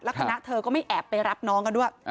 คณะเธอก็ไม่แอบไปรับน้องกันด้วย